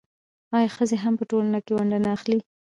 آیا ښځې هم په ټولنه کې ونډه نه اخلي؟